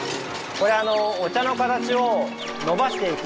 これお茶の形を伸ばしていきます。